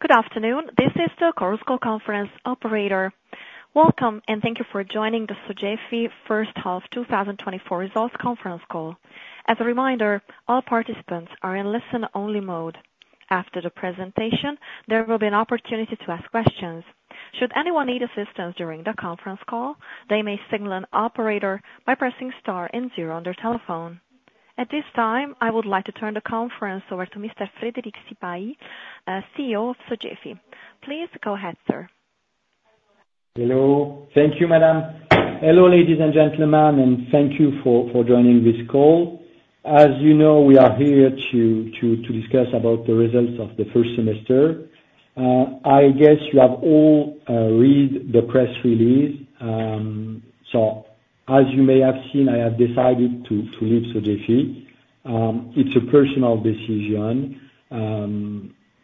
Good afternoon, this is the Chorus Call conference operator. Welcome, and thank you for joining the Sogefi first half 2024 results conference call. As a reminder, all participants are in listen-only mode. After the presentation, there will be an opportunity to ask questions. Should anyone need assistance during the conference call, they may signal an operator by pressing star and zero on their telephone. At this time, I would like to turn the conference over to Mr. Frédéric Sipahi, CEO of Sogefi. Please go ahead, sir. Hello. Thank you, madam. Hello, ladies and gentlemen, and thank you for joining this call. As you know, we are here to discuss about the results of the first semester. I guess you have all read the press release, so as you may have seen, I have decided to leave Sogefi. It's a personal decision.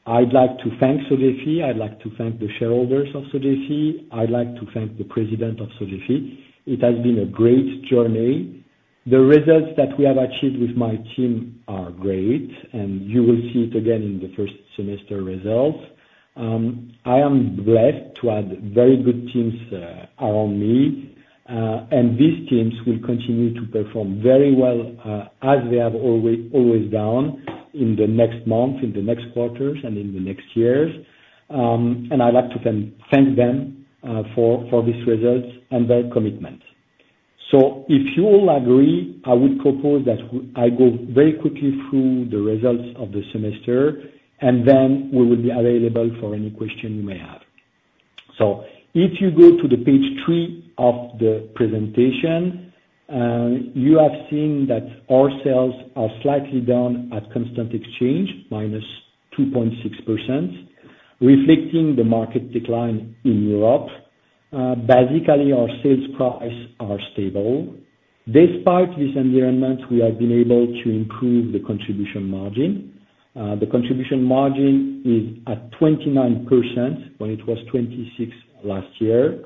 I'd like to thank Sogefi. I'd like to thank the shareholders of Sogefi. I'd like to thank the president of Sogefi. It has been a great journey. The results that we have achieved with my team are great, and you will see it again in the first semester results. I am blessed to have very good teams around me, and these teams will continue to perform very well, as they have always done in the next month, in the next quarters, and in the next years. And I'd like to thank them for these results and their commitment. So if you all agree, I would propose that I go very quickly through the results of the semester, and then we will be available for any question you may have. So if you go to page 3 of the presentation, you have seen that our sales are slightly down at constant exchange, -2.6%, reflecting the market decline in Europe. Basically, our sales price are stable. Despite this environment, we have been able to improve the contribution margin. The contribution margin is at 29%, when it was 26% last year.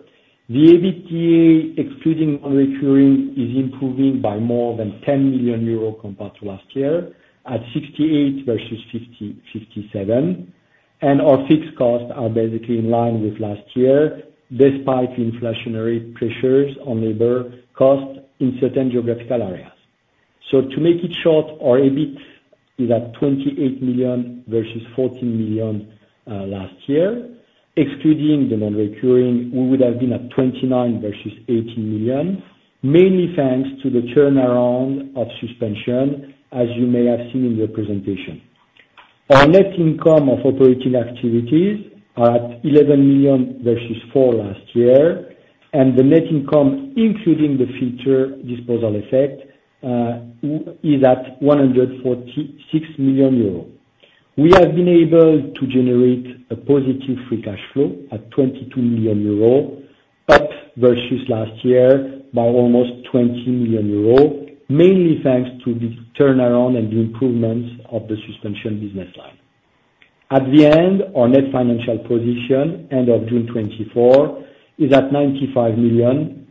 The EBITDA, excluding non-recurring, is improving by more than 10 million euros compared to last year, at 68 versus 57, and our fixed costs are basically in line with last year, despite the inflationary pressures on labor cost in certain geographical areas. So to make it short, our EBIT is at 28 million versus 14 million last year. Excluding the non-recurring, we would have been at 29 versus 18 million, mainly thanks to the turnaround of suspension, as you may have seen in the presentation. Our net income of operating activities are at 11 million versus 4 last year, and the net income, including the future disposal effect, is at 146 million euros. We have been able to generate a positive free cash flow at 22 million euros, up versus last year by almost 20 million euros, mainly thanks to the turnaround and the improvements of the Suspension business line. At the end, our net financial position, end of June 2024, is at 95 million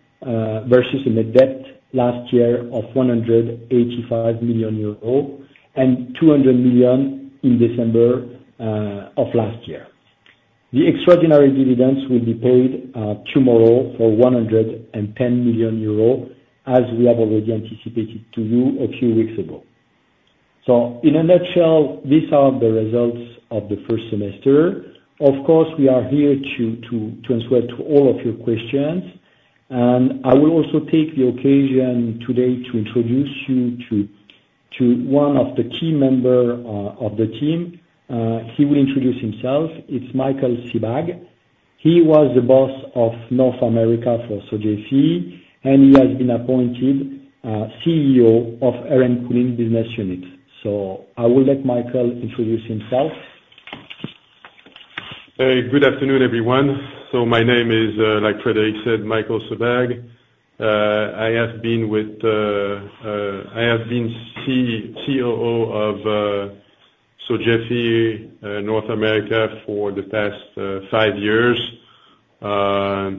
versus a net debt last year of 185 million euro and 200 million in December of last year. The extraordinary dividends will be paid tomorrow for 110 million euros, as we have already anticipated to you a few weeks ago. So in a nutshell, these are the results of the first semester. Of course, we are here to answer to all of your questions, and I will also take the occasion today to introduce you to one of the key member of the team. He will introduce himself. It's Michael Sebag. He was the boss of North America for Sogefi, and he has been appointed CEO of Air and Cooling business unit. So I will let Michael introduce himself. Hey, good afternoon, everyone. So my name is, like Frédéric said, Michael Sebag. I have been with, I have been COO of Sogefi North America for the past five years. I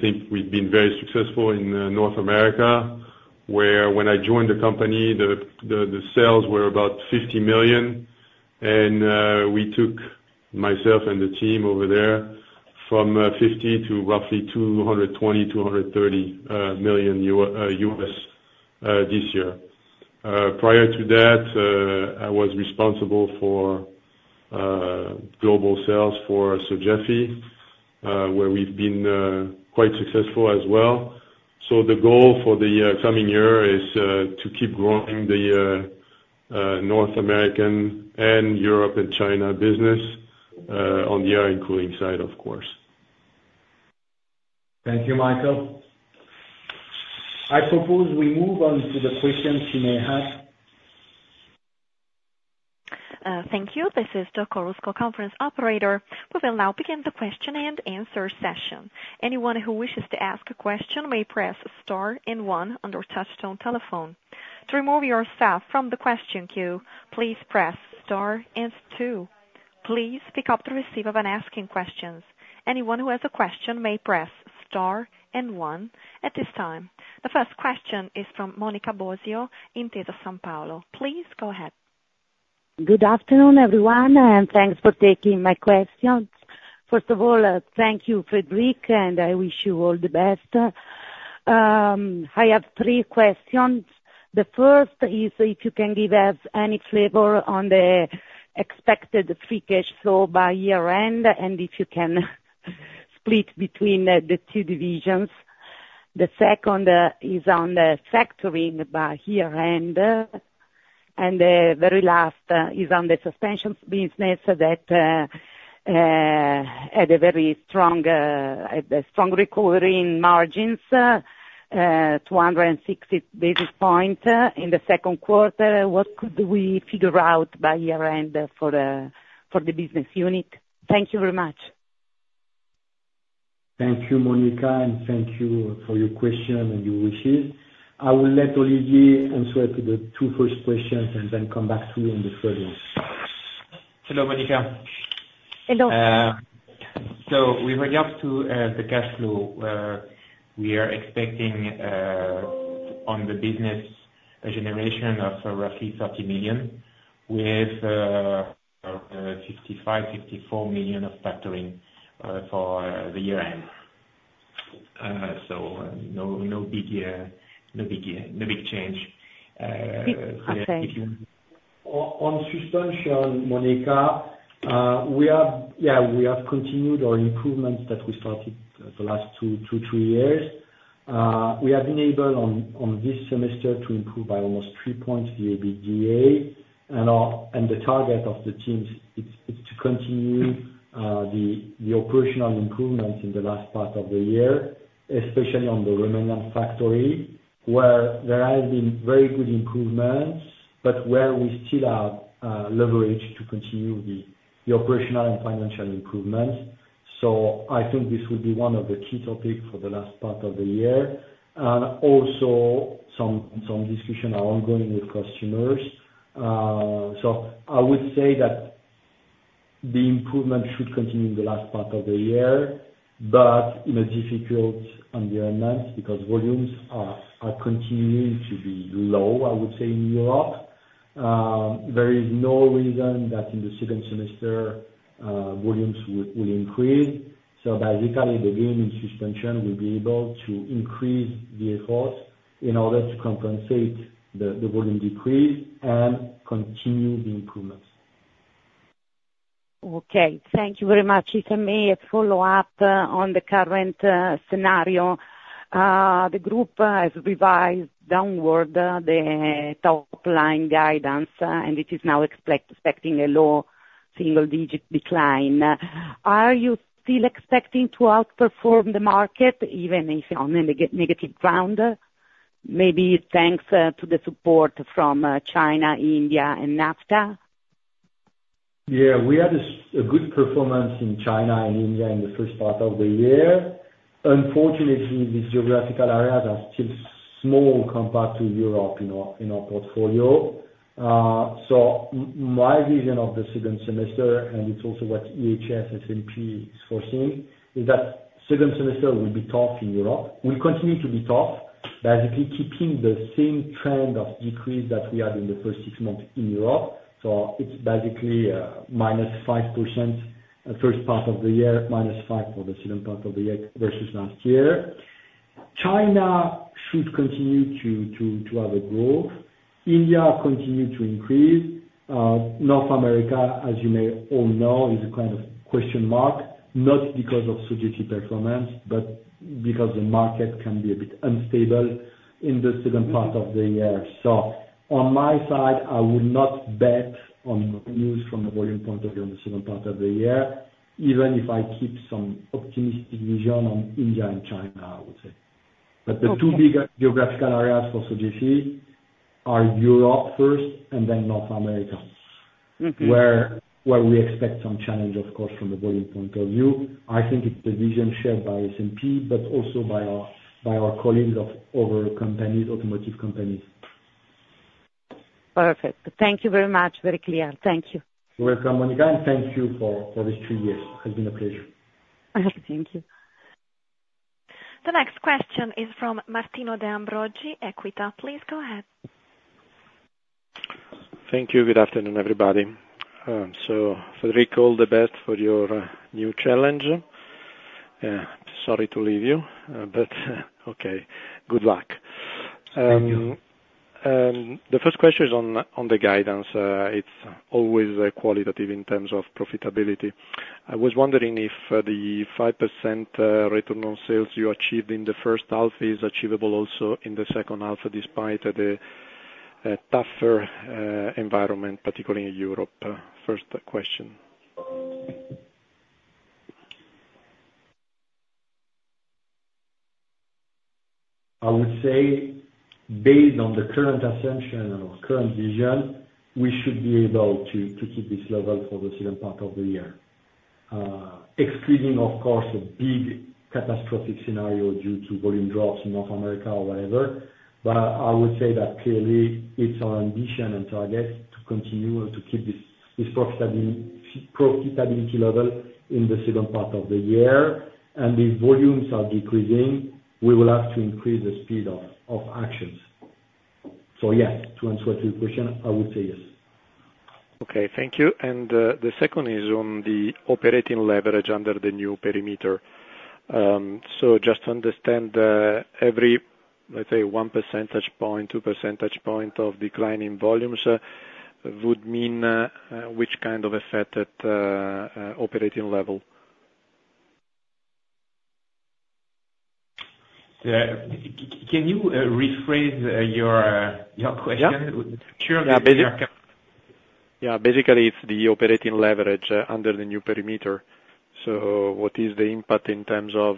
think we've been very successful in North America, where when I joined the company, the sales were about $50 million, and we took, myself and the team over there, from $50 million to roughly $220 million-$230 million US this year. Prior to that, I was responsible for global sales for Sogefi, where we've been quite successful as well. So the goal for the coming year is to keep growing the North American and Europe and China business on the air and cooling side, of course. Thank you, Michael. I propose we move on to the questions you may have. Thank you. This is the Chorus Call conference operator. We will now begin the question-and-answer session. Anyone who wishes to ask a question may press star and one on their touchtone telephone. To remove yourself from the question queue, please press star and two.... Please pick up the receiver when asking questions. Anyone who has a question may press star and one at this time. The first question is from Monica Bosio, Intesa Sanpaolo. Please go ahead. Good afternoon, everyone, and thanks for taking my questions. First of all, thank you, Frédéric, and I wish you all the best. I have three questions. The first is if you can give us any flavor on the expected free cash flow by year-end, and if you can split between the two divisions. The second is on the factoring by year-end, and the very last is on the suspensions business that had a very strong, had a strong recovery in margins, 260 basis points, in the second quarter. What could we figure out by year-end for the business unit? Thank you very much. Thank you, Monica, and thank you for your question and your wishes. I will let Olivier answer to the two first questions and then come back to you on the third one. Hello, Monica. Hello. So with regard to the cash flow, we are expecting on the business a generation of roughly 30 million with 54 million of factoring for the year-end. So, no, no big year, no big change. Okay. On suspension, Monica, yeah, we have continued our improvements that we started the last two, three years. We have been able on this semester to improve by almost three points the EBITDA, and the target of the teams, it's to continue the operational improvements in the last part of the year, especially on the Romanian factory, where there has been very good improvements, but where we still have leverage to continue the operational and financial improvements. So I think this will be one of the key topics for the last part of the year, and also some discussions are ongoing with customers. So I would say that the improvement should continue in the last part of the year, but in a difficult environment, because volumes are continuing to be low, I would say, in Europe. There is no reason that in the second semester, volumes will increase. So basically, the gain in Suspension will be able to increase the efforts in order to compensate the volume decrease and continue the improvements. Okay, thank you very much. If I may follow up on the current scenario. The group has revised downward the top line guidance, and it is now expecting a low single-digit decline. Are you still expecting to outperform the market, even if on a negative ground, maybe thanks to the support from China, India, and NAFTA? Yeah, we had a good performance in China and India in the first part of the year. Unfortunately, these geographical areas are still small compared to Europe in our portfolio. So my vision of the second semester, and it's also what IHS, S&P is foreseeing, is that second semester will be tough in Europe. Will continue to be tough, basically keeping the same trend of decrease that we had in the first six months in Europe. So it's basically minus 5% the first part of the year, minus 5% for the second part of the year versus last year. China should continue to have a growth. India continue to increase. North America, as you may all know, is a kind of question mark, not because of Sogefi's performance, but because the market can be a bit unstable in the second part of the year. So on my side, I would not bet on news from a volume point of view on the second part of the year, even if I keep some optimistic vision on India and China, I would say. Okay. The two bigger geographical areas for Sogefi are Europe first and then North America. Mm-hmm. Where we expect some challenge, of course, from the volume point of view. I think it's the vision shared by S&P, but also by our colleagues of other companies, automotive companies. Perfect. Thank you very much. Very clear. Thank you. You're welcome, Monica, and thank you for these two years. It's been a pleasure. Thank you. The next question is from Martino De Ambrogi, EQUITA. Please go ahead. Thank you. Good afternoon, everybody. So, Frédéric, all the best for your new challenge. Sorry to leave you, but okay, good luck. Thank you. The first question is on the guidance. It's always qualitative in terms of profitability. I was wondering if the 5% return on sales you achieved in the first half is achievable also in the second half, despite the tougher environment, particularly in Europe? First question. I would say based on the current assumption and our current vision, we should be able to, to keep this level for the second part of the year.... excluding, of course, a big catastrophic scenario due to volume drops in North America or whatever. But I would say that clearly it's our ambition and target to continue and to keep this, this profitability, pro-profitability level in the second part of the year. And if volumes are decreasing, we will have to increase the speed of, of actions. So yeah, to answer to your question, I would say yes. Okay, thank you. And, the second is on the operating leverage under the new perimeter. So just to understand, every, let's say, one percentage point, two percentage point of declining volumes, would mean, operating level? Can you rephrase your question? Yeah. Sure. Yeah, basically, yeah, basically it's the operating leverage under the new perimeter. So what is the impact in terms of,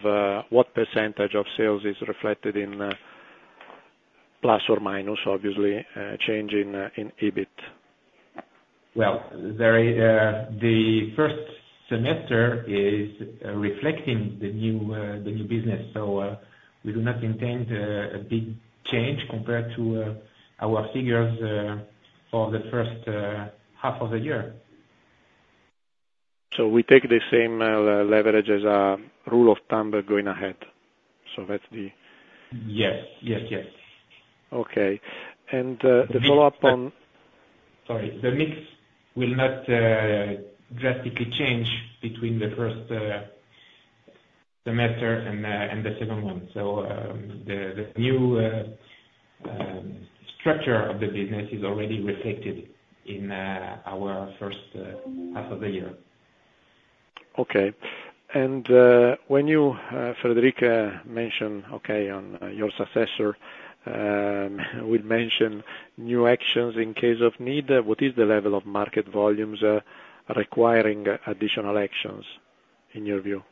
what percentage of sales is reflected in, plus or minus, obviously, change in, in EBIT? Well, the first semester is reflecting the new, the new business. So, we do not intend a big change compared to our figures for the first half of the year. So we take the same leverage as a rule of thumb going ahead. So that's the- Yes. Yes, yes. Okay. And, the follow-up on- Sorry, the mix will not drastically change between the first semester and the second one. So, the new structure of the business is already reflected in our first half of the year. Okay. And when you, Frédéric, mentioned okay on your successor, we mentioned new actions in case of need. What is the level of market volumes requiring additional actions, in your view?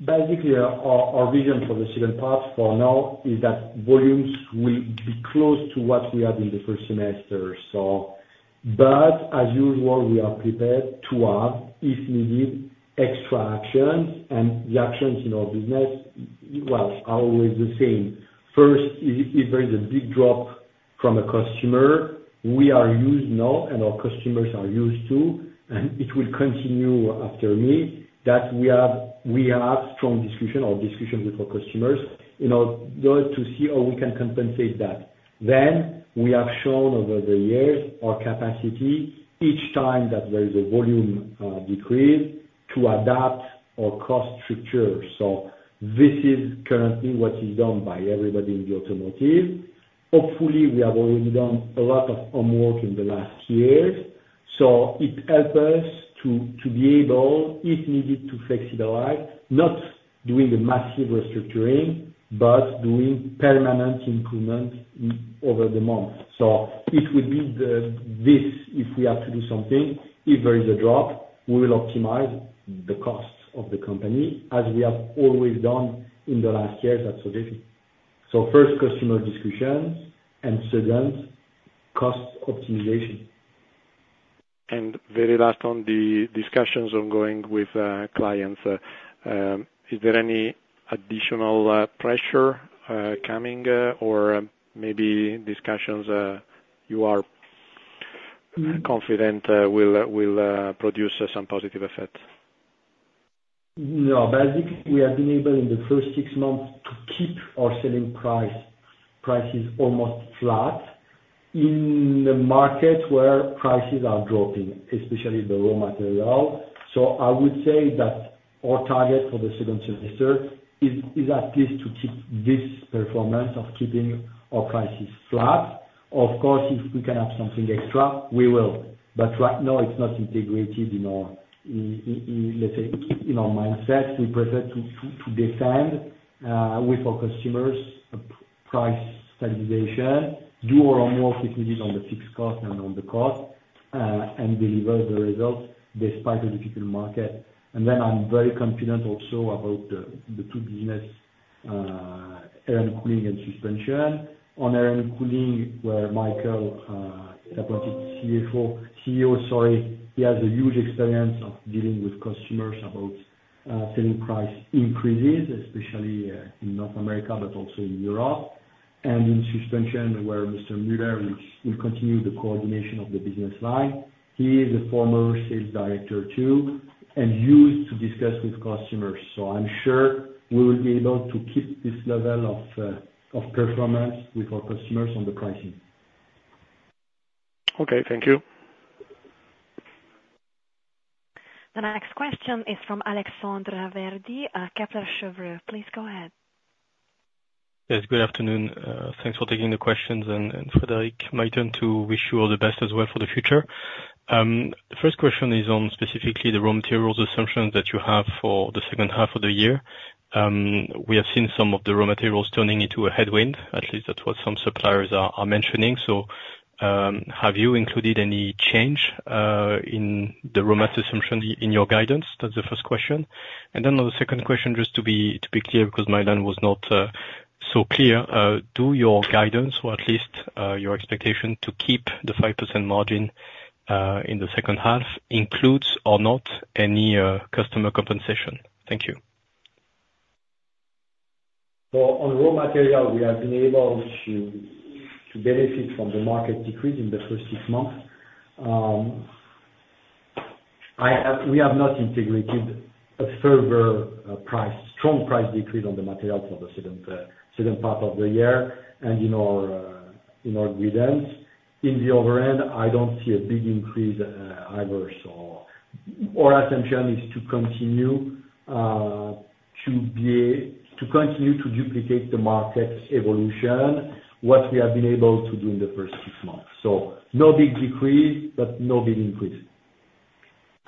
Basically, our vision for the second part for now is that volumes will be close to what we had in the first semester, so. But as usual, we are prepared to add, if needed, extra actions. And the actions in our business, well, are always the same. First, if there is a big drop from a customer, we are used now, and our customers are used to, and it will continue after me, that we have, we have strong discussion or discussion with our customers, in order to see how we can compensate that. Then, we have shown over the years, our capacity, each time that there is a volume decrease, to adapt our cost structure. So this is currently what is done by everybody in the automotive. Hopefully, we have already done a lot of homework in the last years, so it helps us to be able, if needed, to flex it right, not doing the massive restructuring, but doing permanent improvement in, over the month. So it would be if we have to do something, if there is a drop, we will optimize the costs of the company, as we have always done in the last years at Sogefi. So first, customer discussions, and second, cost optimization. Very last on the discussions ongoing with clients. Is there any additional pressure coming, or maybe discussions you are- Mm... confident will produce some positive effect? No, basically, we have been able, in the first six months, to keep our selling price, prices almost flat in the market where prices are dropping, especially the raw material. So I would say that our target for the second semester is at least to keep this performance of keeping our prices flat. Of course, if we can have something extra, we will. But right now it's not integrated in our, let's say, in our mindset. We prefer to discuss with our customers a price stabilization, do more if needed on the fixed cost and on the cost, and deliver the results despite a difficult market. And then I'm very confident also about the two businesses, air and cooling and suspension. On air and cooling, where Michael, appointed CFO, CEO, sorry, he has a huge experience of dealing with customers about selling price increases, especially in North America, but also in Europe. In suspension, where Mr. Muller will continue the coordination of the business line. He is a former sales director too, and used to discuss with customers. So I'm sure we will be able to keep this level of performance with our customers on the pricing. Okay, thank you. The next question is from Alexandre Raverdy, Kepler Cheuvreux. Please go ahead. Yes, good afternoon. Thanks for taking the questions. And, Frédéric, my turn to wish you all the best as well for the future. The first question is on specifically the raw materials assumptions that you have for the second half of the year. We have seen some of the raw materials turning into a headwind, at least that's what some suppliers are mentioning. So, have you included any change in the raw material assumption in your guidance? That's the first question. And then on the second question, just to be clear, because my line was not so clear, do your guidance, or at least your expectation to keep the 5% margin in the second half, includes or not any customer compensation? Thank you. So on raw material, we have been able to benefit from the market decrease in the first six months. We have not integrated a further price, strong price decrease on the materials for the second part of the year. And in our guidance, in the other end, I don't see a big increase either, so our attention is to continue to duplicate the market's evolution, what we have been able to do in the first six months. So no big decrease, but no big increase.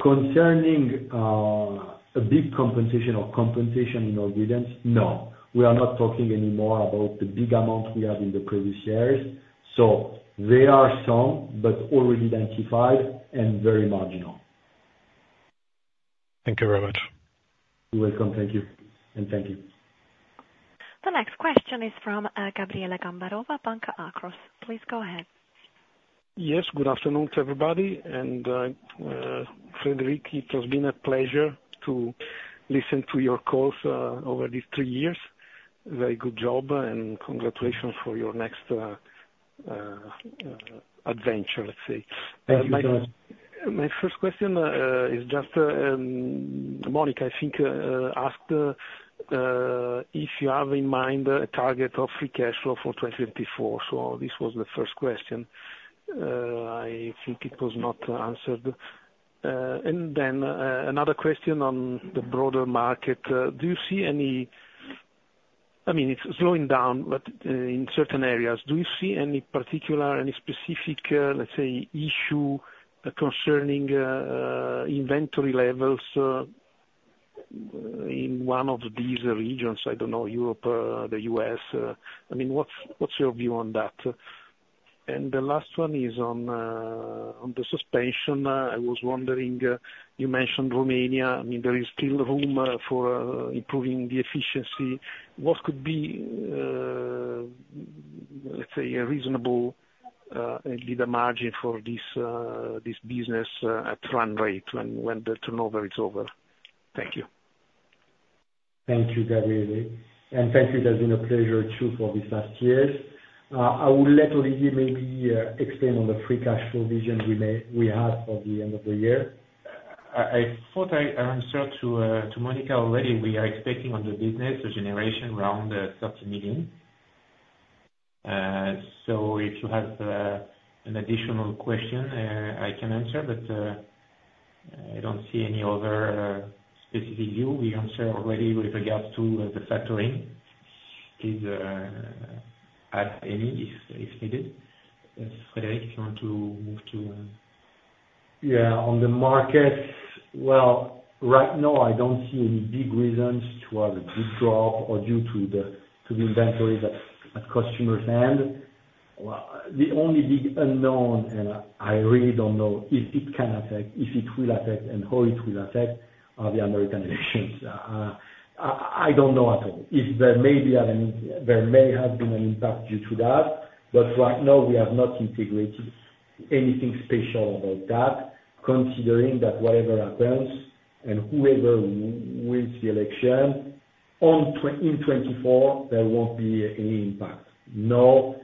Concerning a big compensation in our business, no, we are not talking anymore about the big amounts we had in the previous years. So there are some, but already identified and very marginal. Thank you very much. You're welcome. Thank you, and thank you. The next question is from, Gabriele Gambarova, Banca Akros. Please go ahead. Yes, good afternoon to everybody, and, Frédéric, it has been a pleasure to listen to your calls over these three years. Very good job, and congratulations for your next adventure, let's say. Thank you. My first question is just Monica, I think, asked if you have in mind a target of free cash flow for 2024. So this was the first question. I think it was not answered. And then another question on the broader market. Do you see any... I mean, it's slowing down, but in certain areas, do you see any particular, any specific, let's say, issue concerning inventory levels in one of these regions? I don't know, Europe, the U.S., I mean, what's your view on that? And the last one is on the suspension. I was wondering, you mentioned Romania, I mean, there is still room for improving the efficiency. What could be, let's say, a reasonable, EBITDA margin for this, this business, at run rate when, when the turnover is over? Thank you. Thank you, Gabriele, and thank you. It has been a pleasure, too, for these last years. I will let Olivier maybe explain on the free cash flow vision we have for the end of the year. I thought I answered to Monica already. We are expecting on the business a generation around 30 million. So if you have an additional question, I can answer, but I don't see any other specific view. We answered already with regards to the factoring. Please ask Amy if needed. Frédéric, you want to move to? Yeah, on the markets, well, right now, I don't see any big reasons to have a big drop or due to the, to the inventories at, at customers' hand. Well, the only big unknown, and I really don't know if it can affect, if it will affect, and how it will affect, are the American elections. I don't know at all if there may be an, there may have been an impact due to that, but right now we have not integrated anything special about that, considering that whatever happens, and whoever wins the election, in 2024, there won't be any impact. No,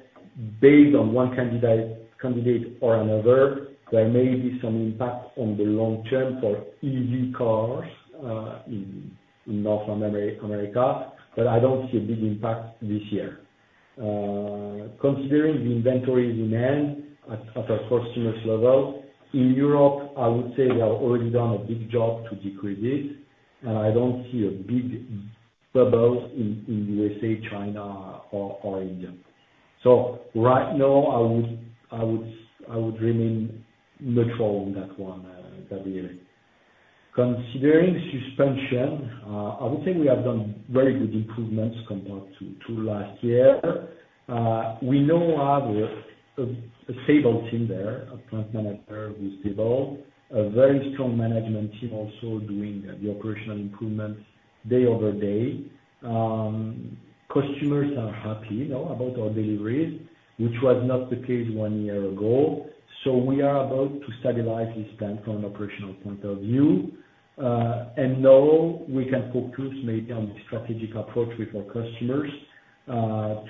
based on one candidate or another, there may be some impact on the long term for EV cars, in North America, but I don't see a big impact this year. Considering the inventories in hand at a customers level, in Europe, I would say they have already done a big job to decrease it, and I don't see a big bubble in USA, China or India. So right now, I would remain neutral on that one, Gabriele. Considering suspension, I would say we have done very good improvements compared to last year. We now have a stable team there, a plant manager with people, a very strong management team also doing the operational improvements day over day. Customers are happy now about our deliveries, which was not the case one year ago. So we are about to stabilize this plant from an operational point of view, and now we can focus maybe on the strategic approach with our customers,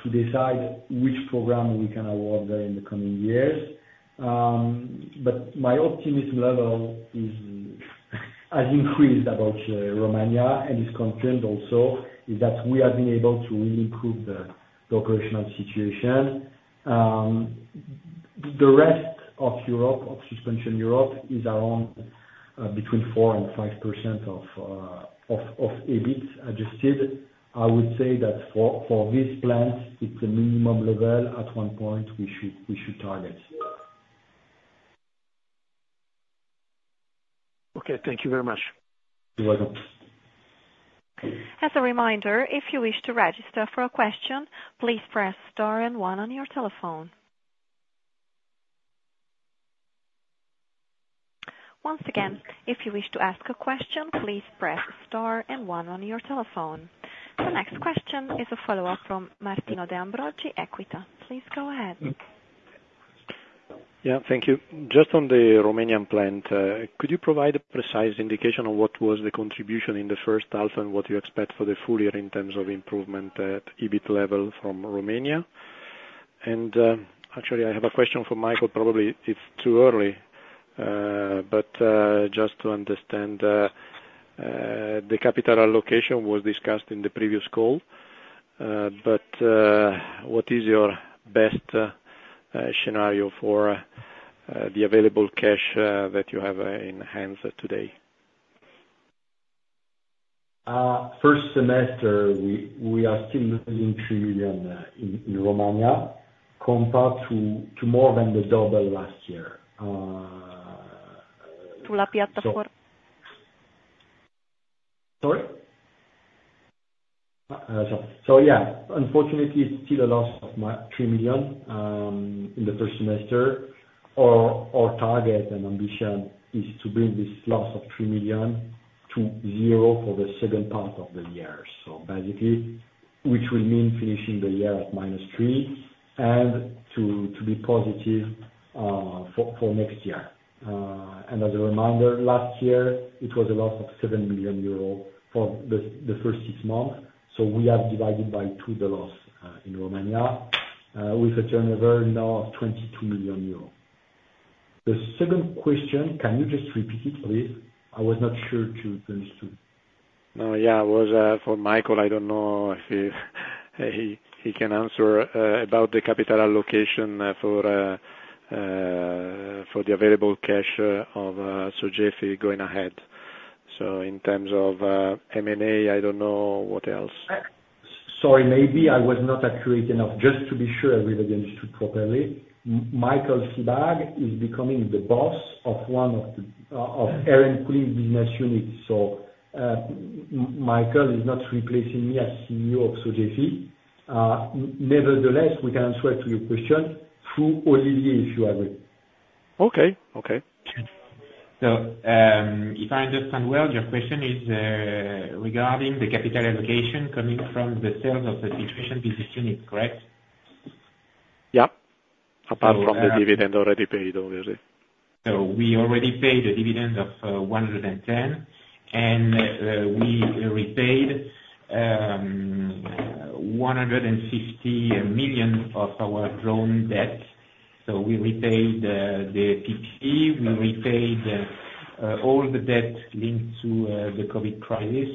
to decide which program we can award them in the coming years. But my optimism level is has increased about Romania, and is concerned also is that we have been able to really improve the operational situation. The rest of Europe of suspension Europe is around between 4% and 5% of EBIT adjusted. I would say that for this plant, it's a minimum level, at one point we should target. Okay. Thank you very much. You're welcome. As a reminder, if you wish to register for a question, please press star and one on your telephone. Once again, if you wish to ask a question, please press star and one on your telephone. The next question is a follow-up from Martino De Ambrogi, Equita. Please go ahead. Yeah, thank you. Just on the Romanian plant, could you provide a precise indication on what was the contribution in the first half and what you expect for the full year in terms of improvement at EBIT level from Romania? And, actually, I have a question for Michael, probably it's too early, but, just to understand, the capital allocation was discussed in the previous call, but, what is your best scenario for, the available cash, that you have, in hand today? First semester, we are still losing EUR 3 million in Romania, compared to more than double last year. To lap the fourth. Sorry? So yeah, unfortunately, it's still a loss of 3 million in the first semester. Our target and ambition is to bring this loss of 3 million to zero for the second part of the year. So basically, which will mean finishing the year at minus 3 million, and to be positive for next year. And as a reminder, last year, it was a loss of 7 million euros for the first six months, so we have divided by 2 the loss in Romania with a turnover now of 22 million euros. The second question, can you just repeat it, please? I was not sure to understand. Oh, yeah, it was for Michael. I don't know if he can answer about the capital allocation for the available cash of Sogefi going ahead. So in terms of M&A, I don't know, what else? Sorry, maybe I was not accurate enough. Just to be sure I really understood properly, Michael Sebag is becoming the boss of one of the Air and Cooling business units. So, Michael is not replacing me as CEO of Sogefi. Nevertheless, we can answer to your question through Olivier, if you agree. Okay. Okay. So, if I understand well, your question is regarding the capital allocation coming from the sales of the Filtration business unit, correct? Yeah. Apart from the dividend already paid, obviously. So we already paid a dividend of 110, and we repaid 150 million of our drawn debt. So we repaid the PGE, we repaid all the debt linked to the COVID crisis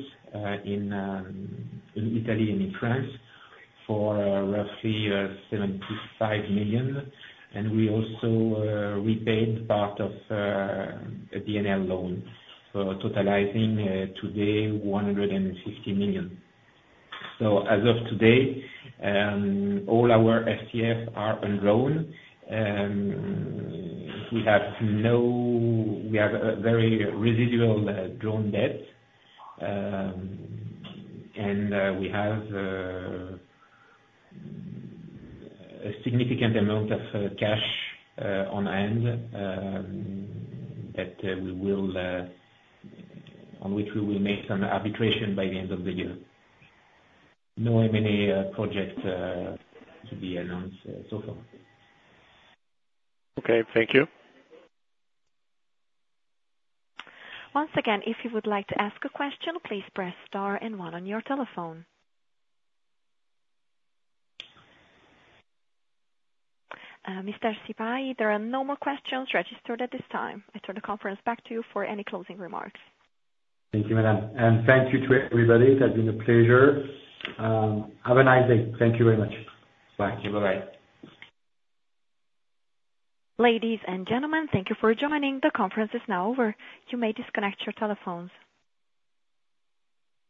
in Italy and in France, for roughly 75 million, and we also repaid part of a BNL loan, so totaling today 150 million. So as of today, all our debt is gone, we have no. We have a very residual drawn debt. And we have a significant amount of cash on hand that on which we will make some arbitration by the end of the year. No M&A projects to be announced so far. Okay, thank you. Once again, if you would like to ask a question, please press star and one on your telephone. Mr. Sebag, there are no more questions registered at this time. I turn the conference back to you for any closing remarks. Thank you, madame. Thank you to everybody, it has been a pleasure. Have a nice day. Thank you very much. Bye. Thank you. Bye-bye. Ladies and gentlemen, thank you for joining. The conference is now over. You may disconnect your telephones.